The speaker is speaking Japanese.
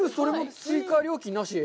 追加料金なし？